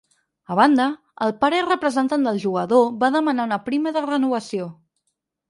A banda, el pare i representant del jugador va demanar una prima de renovació.